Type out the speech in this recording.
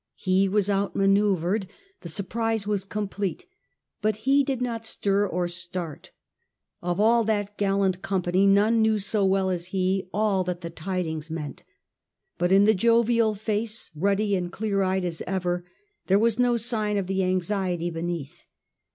He was out manoeuvred, the surprise was complete, but he did not stir or start Of all that gallant company none knew so well as he all that the tidings meant. But in the jovial face, ruddy and clear eyed as ever, there was no sign of the anxiety beneath.